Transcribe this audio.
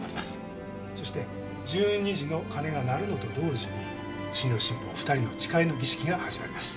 そして１２時の鐘が鳴るのと同時に新郎新婦お２人の誓いの儀式が始まります。